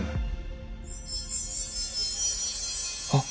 あっ。